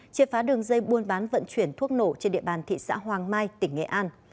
chia phá đường dây buôn bán vận chuyển thuốc nổ trên địa bàn thị xã hoàng mai tỉnh nghệ an